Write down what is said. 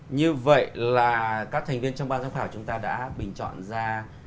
như vậy là các thành viên trong ban giám khảo chúng ta đã bình chọn ra